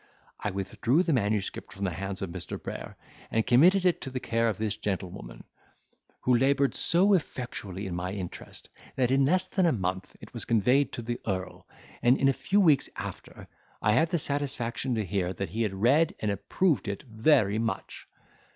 I withdrew the manuscript from the hands of Mr. Brayer, and committed it to the care of this gentlewoman, who laboured so effectually in my interest, that in less than a month it was conveyed to the earl, and in a few weeks after, I had the satisfaction to hear that he had read and approved it very much.